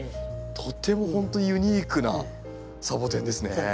とてもほんとユニークなサボテンですね。